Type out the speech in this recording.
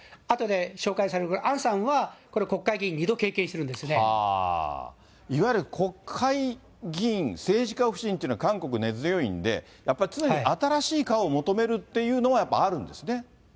あとで紹介されるアンさんは、これ、国会議員２度経験してるんでいわゆる国会議員、政治家不信っていうのは韓国、根強いんで、やっぱり常に新しい顔を求めるっていうのは、やっぱりあるんですね。